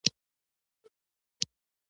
څرک یې ونه لګاوه.